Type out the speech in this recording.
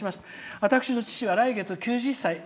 私の父は来月９０歳」。